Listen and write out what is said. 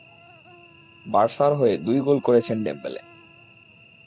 বার্সার হয়ে দুই গোল করেছেন ডেম্বেলে।